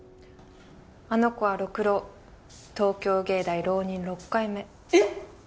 あの子は六浪東京藝大浪人６回目えっ！？